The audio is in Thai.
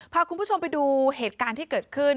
พาคุณผู้ชมไปดูเหตุการณ์ที่เกิดขึ้น